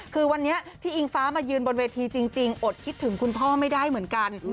คือวันนี้ที่อิงฟ้ามายืนบนเวทีจริงอดคิดถึงคุณพ่อไม่ได้เหมือนกัน